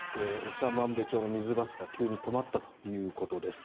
長万部町の水柱が急に止まったということです。